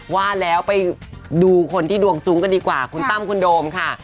ว่าแล้วไปดูคนที่ดวงจุ้งกันดีกว่าคุณตั้มคุณโดมค่ะ